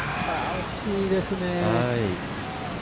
惜しいですね。